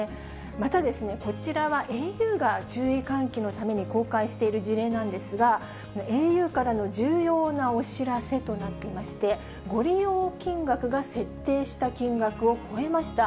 またこちらは、ａｕが注意喚起のために公開している事例なんですが、ａｕからの重要なお知らせとなっていまして、ご利用金額が設定した金額を超えました。